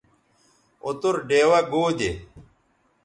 اوتر ڈیوہ گو دے